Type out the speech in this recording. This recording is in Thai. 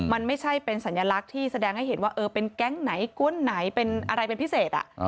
มันไม่ใช่เป็นสัญลักษณ์ที่แสดงให้เห็นว่าเป็นแก๊งไหนก้วนไหนเป็นอะไรเป็นพิเศษ